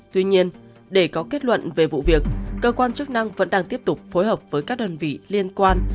tuy nhiên để có kết luận về vụ việc cơ quan chức năng vẫn đang tiếp tục phối hợp với các đơn vị liên quan